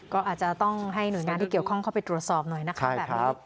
ก็อาจจะต้องให้หน่วยงานที่เกี่ยวข้องเข้าไปตรวจสอบหน่อยนะคะแบบนี้